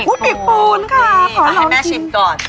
ปีกปูนค่ะขอให้แม่ชิมก่อน